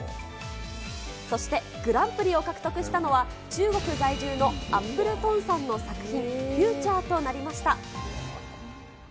そしてグランプリを獲得したのは、中国在住のアップル・トンさんの作品、フューチャーとなりました。